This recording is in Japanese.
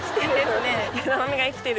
枝豆が生きてる。